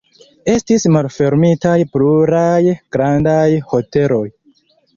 Estis malfermitaj pluraj grandaj hoteloj.